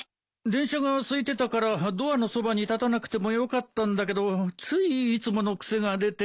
電車がすいてたからドアのそばに立たなくてもよかったんだけどついいつもの癖が出て。